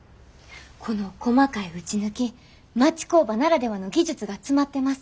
この細かい打ち抜き町工場ならではの技術が詰まってます。